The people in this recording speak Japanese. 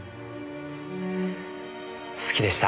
好きでした。